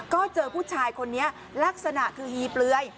ก็เจอผู้ชายคนนี้ลักษณะคือฮีเปลือย